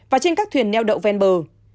và trên các thuyền neo đậu ven bờ